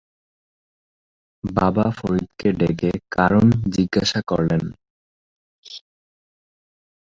বাবা ফরিদ তাকে ডেকে কারণ জিজ্ঞাসা করলেন।